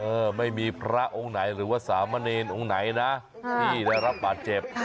เออไม่มีพระองค์ไหนหรือสามะเนรองค์ไหนที่รับปลาเจ็บ